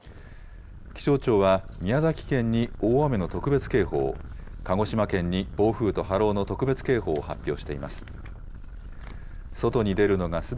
気象庁は、宮崎県に大雨の特別警報を、鹿児島県に暴風と波浪の特別警報を発表しています。